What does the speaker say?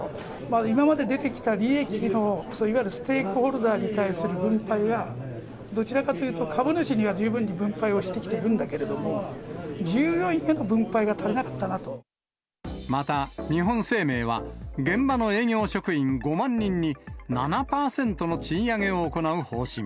今まで出てきた利益の、いわゆるステイクホルダーに対する分配が、どちらかというと、株主には十分に分配はしてきたんだけれども、従業員への分配が足また、日本生命は、現場の営業職員５万人に、７％の賃上げを行う方針。